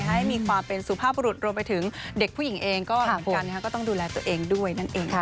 ให้มีความเป็นสุภาพประหลุดรวมไปถึงเด็กผู้หญิงเองก็ต้องดูแลตัวเองด้วย